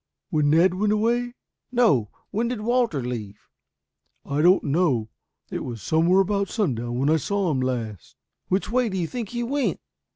"When Ned went away?" "No, when did Walter leave?" "I don't know. It was somewhere about sundown when I saw him last." "Which way do you think he went?"